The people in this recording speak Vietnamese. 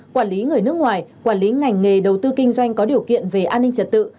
quản lý người nước ngoài quản lý ngành nghề đầu tư kinh doanh có điều kiện về an ninh trật tự